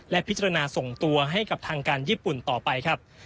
และพิจารณาส่งตัวให้กับทางการญี่ปุ่นต่อไปครับ